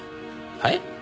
はい？